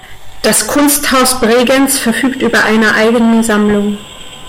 Das Kunsthaus Bregenz verfügt über eine eigene Sammlung.